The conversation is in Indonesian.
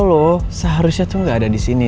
lo seharusnya tuh gak ada disini